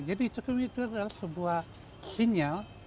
jadi itu adalah sebuah sinyal